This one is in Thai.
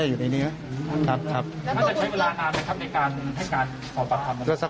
ว่าเออให้เล่าเขาได้จริง